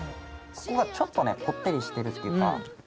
ここがちょっとねぽってりしてるっていうか。